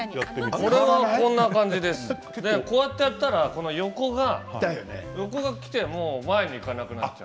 これやったら、横がきても前にいかなくなっちゃう。